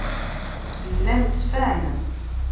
Llan ttfan.